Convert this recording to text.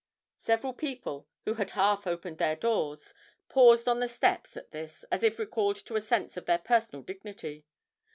Several people, who had half opened their doors, paused on the steps at this, as if recalled to a sense of their personal dignity.